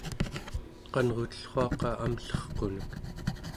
qanrutellruaqa amllerqunek